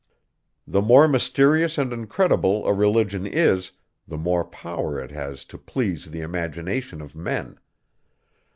The more mysterious and incredible a religion is, the more power it has to please the imagination of men.